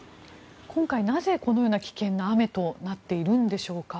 今回なぜこのような危険な雨となっているんでしょうか。